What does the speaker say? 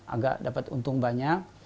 agak dapat untung banyak